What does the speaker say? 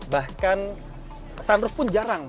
bahkan sunroof pun jarang